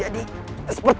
aku masih mereka